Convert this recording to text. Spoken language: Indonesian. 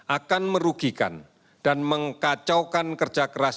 akan merugikan dan mengkacaukan kerja keras